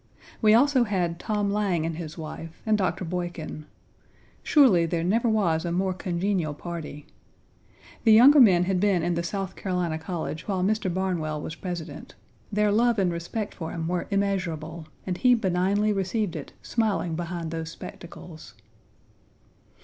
We also had Tom Lang and his wife, and Doctor Boykin. Surely there never was a more congenial party. The younger men had been in the South Carolina College while Mr. Barnwell was President. Their love and respect for him were immeasurable and he benignly received it, smiling behind those spectacles.